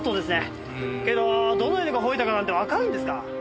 けどどの犬が吠えたかなんてわかるんですか？